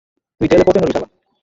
তোই জেলে পঁচে মরবি শালা!